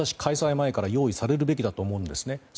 前から用意されるべきだと思うんですね。